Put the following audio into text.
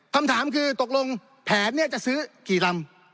คำถามคือตกลงแผนเนี่ยจะซื้อกี่ลำ